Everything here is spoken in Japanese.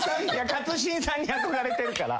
勝新さんに憧れてるから。